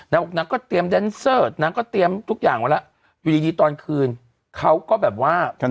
นางก็เตรียมนางก็เตรียมทุกอย่างมาแล้วอยู่ดีตอนคืนเขาก็แบบว่า